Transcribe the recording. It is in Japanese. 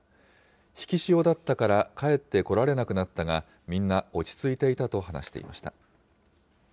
引き潮だったから帰ってこられなくなったが、みんな、落ち着いていたと話していました。